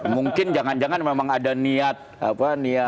mungkin jangan jangan memang ada niat otoriter